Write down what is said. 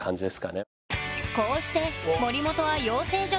こうして森本は養成所